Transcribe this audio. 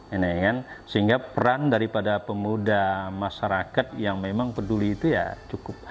ini kan sehingga peran daripada pemuda masyarakat yang memang peduli itu ya cukup